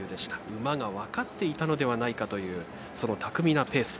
馬が分かっていたのではないかというその巧みなペース。